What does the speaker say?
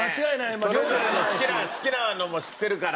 それぞれの好きなのも知ってるから。